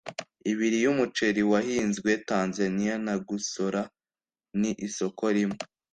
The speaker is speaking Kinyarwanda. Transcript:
ibiri y’umuceri wahinzwe Tanzaniya nta gusora ni isoko rimwe